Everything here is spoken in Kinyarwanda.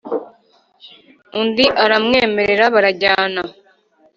undi aramwemerera barajyana .